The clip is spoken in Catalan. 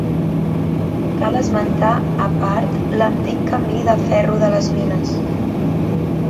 Cal esmentar a part l'Antic Camí de Ferro de les Mines.